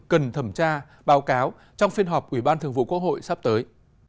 cần thẩm tra báo cáo trong phiên họp ủy ban thường vụ quốc hội sắp tới